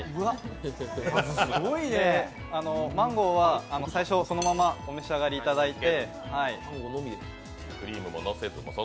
マンゴーは最初そのままお召し上がりいただいて。